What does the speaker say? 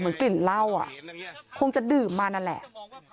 กลิ่นเหล้าอ่ะคงจะดื่มมานั่นแหละ